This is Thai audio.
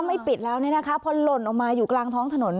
ถ้าไม่ปิดแล้วพอหล่นออกมาอยู่กลางท้องถนน